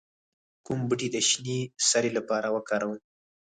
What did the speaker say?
کوم بوټي د شینې سرې لپاره وکاروم؟